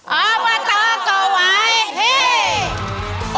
ออวะต้อเกาะไหว้เฮ้